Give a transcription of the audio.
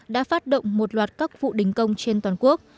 đã phát động một loạt các vụ đình công trên toàn quốc